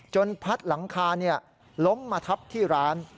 พัดหลังคาล้มมาทับที่ร้าน